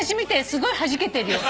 すごいはじけてるよ。